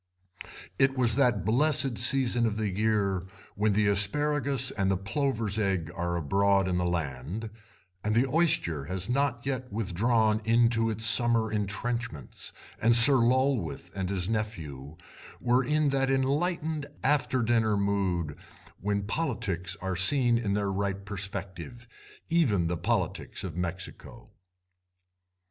It was that blessed season of the year when the asparagus and the plover's egg are abroad in the land, and the oyster has not yet withdrawn into it's summer entrenchments, and Sir Lulworth and his nephew were in that enlightened after dinner mood when politics are seen in their right perspective, even the politics of Mexico.